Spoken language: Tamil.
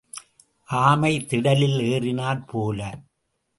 ஆமை திடலில் ஏறினாற் போல.